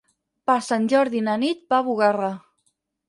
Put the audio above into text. Per Sant Jordi na Nit va a Bugarra.